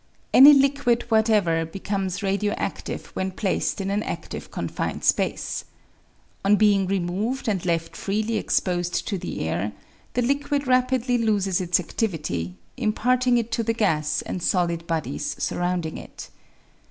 Any liquid whatever becomes radio adtive when placed in an adtive confined space. On being removed and left freely exposed to the air, the liquid rapidly loses its adtivity, imparting it to the gas and solid bodies surrounding it.